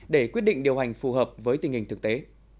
để quyết định điều hành phù hợp với tình hình thực tế